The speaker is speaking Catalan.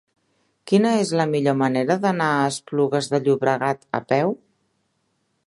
Quina és la millor manera d'anar a Esplugues de Llobregat a peu?